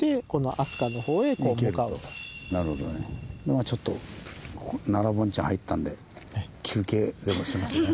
まあちょっとここ奈良盆地入ったんで休憩でもしますね